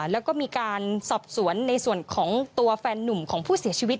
แล้วก็มีการสอบสวนในส่วนของตัวแฟนนุ่มของผู้เสียชีวิต